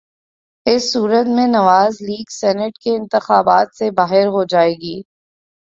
اس صورت میں Nawaz League senate کے انتخابات سے باہر ہو جائے گی۔